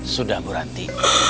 sudah bu ranti